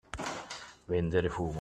Vendere fumo.